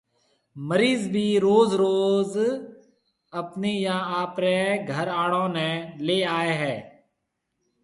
مريض ڀِي روز روز آپنيَ يان آپريَ گهر آݪون نَي ليَ آئي هيَ۔